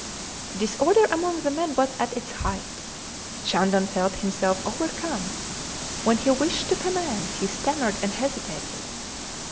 Disorder among the men was at its height. Shandon felt himself overcome; when he wished to command, he stammered and hesitated.